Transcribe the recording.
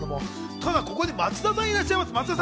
ただここで松田さんいらっしゃいます。